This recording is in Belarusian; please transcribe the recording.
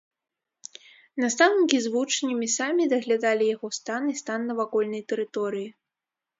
Настаўнікі з вучнямі самі даглядалі яго стан і стан навакольнай тэрыторыі.